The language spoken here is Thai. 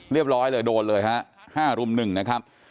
เรียบร้อยเลยโดนเลยฮะ๕รุม๑นะครับ